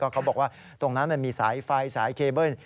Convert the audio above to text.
เขาบอกว่าตรงนั้นมีสายไฟสายเคเบิ้ล